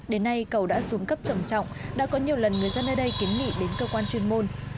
đến nay cầu đã xuống cấp trầm trọng đã có nhiều lần người dân ở đây kiến nghị đến cơ quan chuyên môn